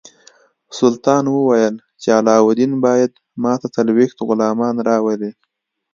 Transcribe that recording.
سلطان وویل چې علاوالدین باید ماته څلوېښت غلامان راولي.